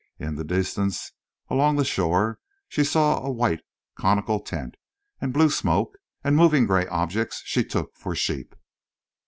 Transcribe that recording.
In the distance, along the shore she saw a white conical tent, and blue smoke, and moving gray objects she took for sheep.